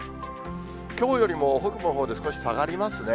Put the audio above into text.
きょうよりも北部のほうで少し下がりますね。